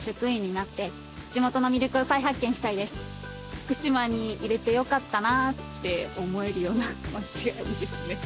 福島にいれてよかったなって思えるような街がいいですね。